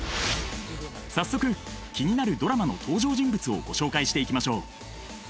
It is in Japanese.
早速気になるドラマの登場人物をご紹介していきましょう！